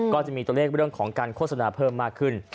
ก็จะมีตัวเลขเรื่องของการโฆษณาเพิ่มมากขึ้น